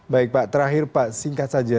baik pak terakhir pak singkat saja